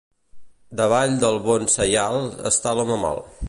Davall del bon saial està l'home mal.